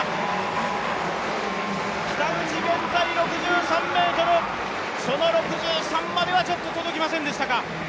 北口現在６３ｍ、その６３まではちょっと届きませんでしたか。